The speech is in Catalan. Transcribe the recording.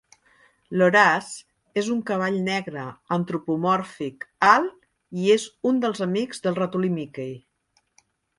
L'Horace és un cavall negre antropomòrfic alt i és un dels amics del ratolí Mickey.